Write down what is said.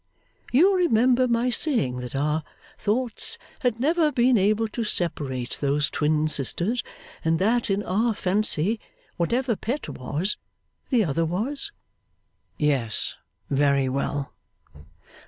'You remember my saying that our thoughts had never been able to separate those twin sisters, and that, in our fancy, whatever Pet was, the other was?' 'Yes, very well.